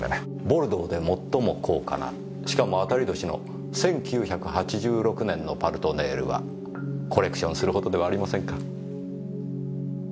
ボルドーで最も高価なしかも当たり年の１９８６年の「パルトネール」はコレクションするほどではありませんか？